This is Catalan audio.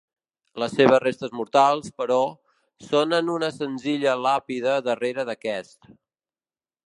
Les seves restes mortals, però, són en una senzilla làpida darrera d'aquest.